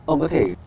ông có thể